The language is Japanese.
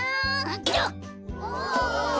お。